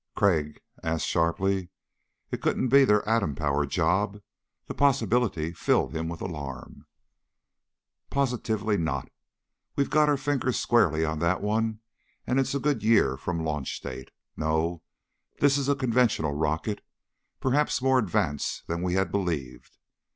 Crag asked sharply. "It couldn't be their atom powered job?" The possibility filled him with alarm. "Positively not. We've got our finger squarely on that one and it's a good year from launch date. No, this is a conventional rocket ... perhaps more advanced than we had believed...."